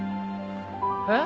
えっ？